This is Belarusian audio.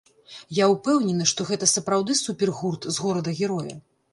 Я ўпэўнены, што гэта сапраўды супергурт з горада-героя.